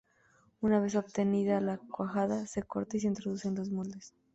Una vez obtenida la cuajada, se corta y se introduce en los moldes.